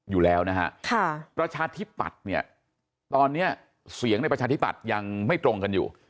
อยู่แล้วนะฮะประชาธิปัตย์เนี่ยตอนนี้เสียงในประชาธิปัตย์ยังไม่ตรงกันอยู่